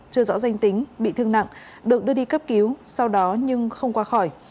chưa rõ danh tính bị thương nặng được đưa đi cấp cứu sau đó nhưng không qua khỏi